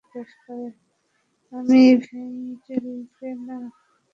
আমি ইভেঞ্জ্যালিনকে না আমি টিয়ানাকে ভালবাসি!